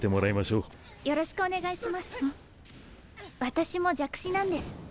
私も弱視なんです。